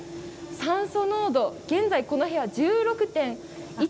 酸素濃度、現在こちらの部屋１６．１％。